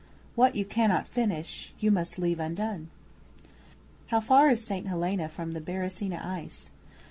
(What you cannot finish you must leave undone!) How far is St Helena from the Beresina ice?